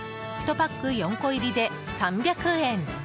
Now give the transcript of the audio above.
１パック４個入りで３００円。